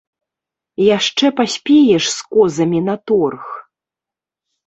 Яшчэ паспееш з козамі на торг!